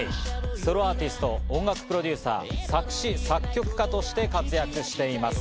ソロアーティスト、音楽プロデューサー、作詞・作曲家として活躍しています。